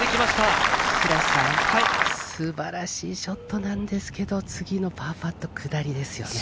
素晴らしいショットなんですけど、次のパーパット、下りですよね。